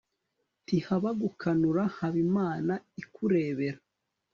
ntihaba gukanura haba imana ikurebera